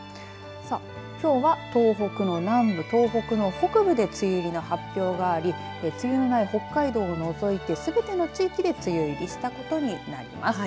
さあ、きょうは東北の南部、東北の北部で梅雨入りの発表があり梅雨のない北海道を除いてすべての地域で梅雨入りしたことになります。